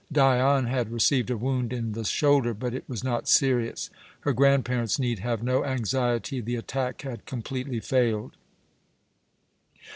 Dion had received a wound in the shoulder, but it was not serious. Her grandparents need have no anxiety; the attack had completely failed.